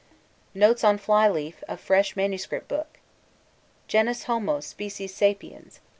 Notes on Flyleaf of Fresh MS. Book Genus Homo, Species Sapiens!